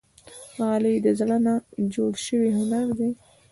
غالۍ له زړه نه جوړ شوی هنر دی.